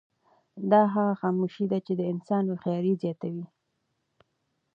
دا هغه خاموشي ده چې د انسان هوښیاري زیاتوي.